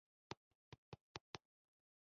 کور خالي ولاړ و، شا ته مې تېر شوي سړک ته وکتل.